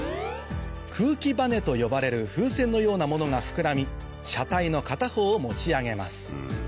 空気バネと呼ばれる風船のようなものが膨らみ車体の片方を持ち上げます